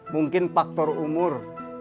mungkin faktor umur